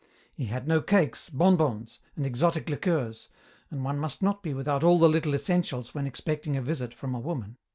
He had no cakes, bonbons, and exotic liqueurs, and one must not be without all the little essentials when expecting a visit from a woman.